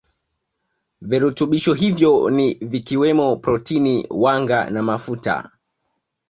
Virutunbisho hivyo ni vikiwemo protini wanga na mafuta